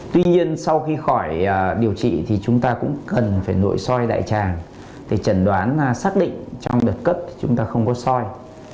tuy nhiên sau khi khỏi điều trị thì chúng ta cũng cần phải nội soi đại tràng để chẩn đoán xác định trong đợt cấp chúng ta không có soi